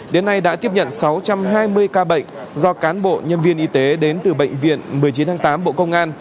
đến nay đã tiếp nhận sáu trăm hai mươi ca bệnh do cán bộ nhân viên y tế đến từ bệnh viện một mươi chín tháng tám bộ công an